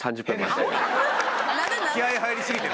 気合入りすぎてる。